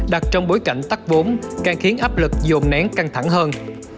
đặt trong bối cảnh tắt vốn càng khiến áp lực dồn nén căng thẳng hơn